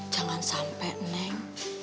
jangan sampai neng